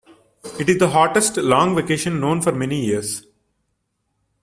It is the hottest long vacation known for many years.